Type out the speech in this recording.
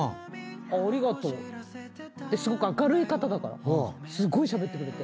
「ありがとう」ですごく明るい方だからすごいしゃべってくれて。